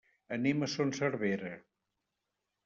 Anem a Son Servera.